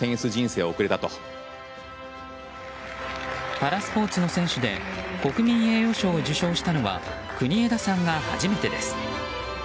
パラスポーツの選手で国民栄誉賞を受賞したのは国枝さんが初めてです。